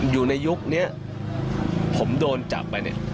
อยู่ในยุคนี้ผมโดนจับไปเนี่ย